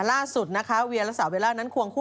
ล่าสุดนะคะเวียและสาวเบลล่านั้นควงคู่